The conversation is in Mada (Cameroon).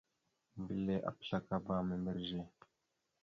Mbelle apəslakala membreze.